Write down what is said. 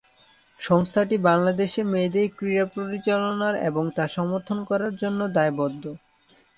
সংস্থাটি বাংলাদেশে মেয়েদের ক্রীড়া পরিচালনার এবং তা সমর্থন করার জন্য দায়বদ্ধ।